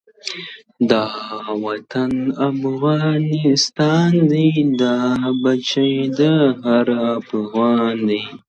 دا وطن دی د رنځورو او خوږمنو!!